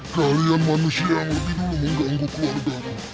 kalian manusia yang lebih dulu mengganggu keluarga